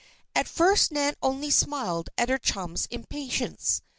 At first Nan only smiled at her chum's impatience.